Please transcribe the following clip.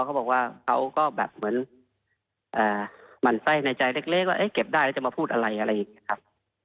เขาบอกว่าเขาก็แบบเหมือนหมั่นไส้ในใจเล็กว่าเก็บได้แล้วจะมาพูดอะไรอะไรอย่างนี้ครับ